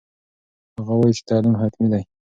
هغه وایي چې تعلیم حتمي دی.